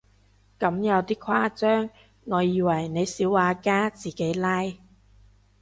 咁有啲誇張，我以為你小畫家自己拉